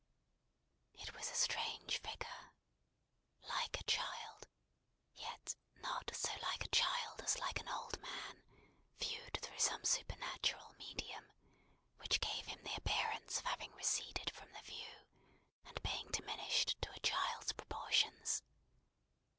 It was a strange figure like a child: yet not so like a child as like an old man, viewed through some supernatural medium, which gave him the appearance of having receded from the view, and being diminished to a child's proportions.